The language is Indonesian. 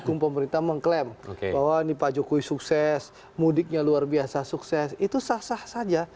mendukung pemerintah mengklaim bahwa ini pak jokowi sukses mudiknya luar biasa sukses itu sah sah saja